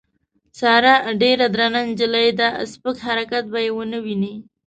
ساره ډېره درنه نجیلۍ ده سپک حرکت به یې ونه وینې.